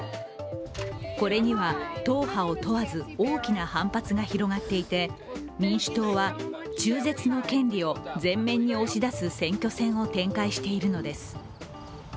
これには党派を問わず、大きな反発が広がっていて、民主党は中絶の権利を前面に押し出す選挙戦を展開しているのです。